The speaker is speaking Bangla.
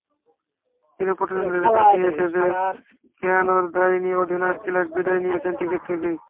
চিরপ্রতিদ্বন্দ্বীদের কাছে অ্যাশেজে খোয়ানোর দায় নিয়ে অধিনায়ক ক্লার্ক বিদায় নিয়েছেন ক্রিকেট থেকেই।